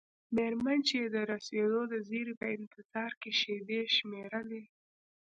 میرمن چې د رسیدو د زیري په انتظار کې شیبې شمیرلې.